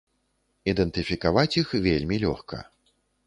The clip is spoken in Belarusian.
Ідэнтыфікаваць іх вельмі лёгка.